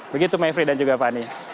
begitu mevri dan juga fani